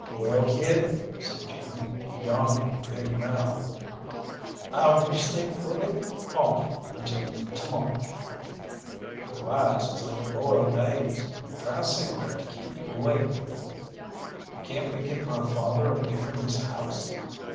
"Well, kid," said Jim, yawning with a big mouth, "I wish they'd put it off until to morrow." "Yo' eyes is like boiled aigs. Try a cigarette to keep you awake." "Can't we get my father away from this house?"